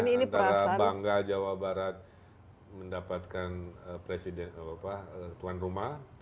antara bangga jawa barat mendapatkan presiden tuan rumah